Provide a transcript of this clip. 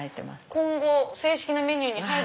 今後正式なメニューに入る。